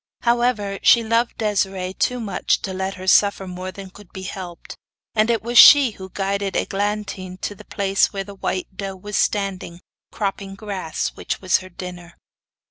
However, she loved Desiree too much to let her suffer more than could be helped, and it was she who guided Eglantine to the place where the white doe was standing, cropping the grass which was her dinner.